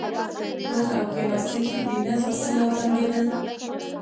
تلل او کښېنستل ښه دي، نه ځغستل او ځنډېدل.